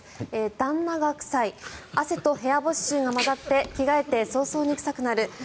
旦那が臭い汗と部屋干し臭が混ざって着替えて早々に臭くなる。